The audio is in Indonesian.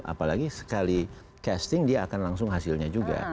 apalagi sekali casting dia akan langsung hasilnya juga